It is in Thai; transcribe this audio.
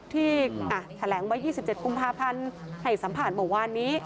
ที่แถลงไว้๒๗กุมภาพันธ์ให้สัมภาษณ์เมื่อวานนี้